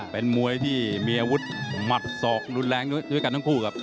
เป็นมวยที่มีอาวุธหมัดศอกรุนแรงด้วยกันทั้งคู่ครับ